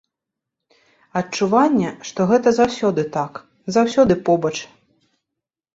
Адчуванне, што гэта заўсёды так, заўсёды побач.